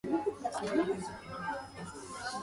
He's out of sorts.